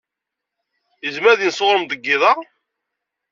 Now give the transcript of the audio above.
Yezmer ad yens ɣer-m deg yiḍ-a?